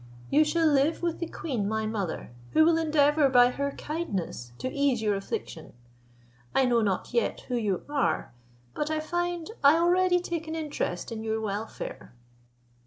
You shall live with the queen my mother, who will endeavour by her kindness to ease your affliction. I know not yet who you are; but I find I already take an interest in your welfare."